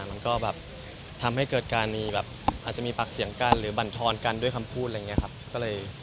มันก็แบบจะทำให้ปากเสียงกันหรือบั่นถอนกันด้วยคำพูดอะไรอย่างเนี่ยค่ะ